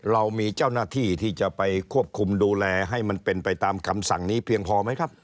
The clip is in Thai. เรามีเจ้าหน้าที่ที่จะไปควบคุมดูแลให้มันเป็นไปตามคำสั่งนี้เพียงพอไหมครับ